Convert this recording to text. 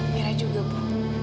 amira juga bu